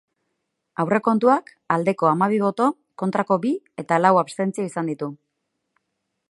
Aurrekontuak aldeko hamabi boto, kontrako bi eta lau abstentzio izan ditu.